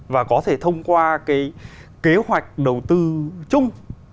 và có thể thông qua cái kế hoạch đầu tư chung